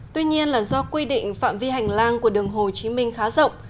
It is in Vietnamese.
tuy nhiên là do quy định phạm vi hành lang của đường hồ chí minh khá rộng